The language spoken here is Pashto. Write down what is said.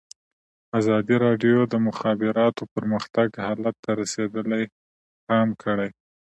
ازادي راډیو د د مخابراتو پرمختګ حالت ته رسېدلي پام کړی.